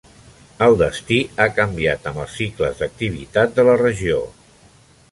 El destí ha canviat amb els cicles d'activitat de la regió.